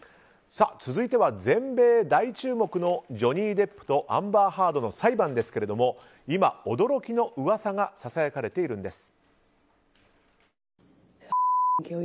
続いては全米大注目のジョニー・デップとアンバー・ハードの裁判ですけれども今、驚きの噂がささやかれているんです。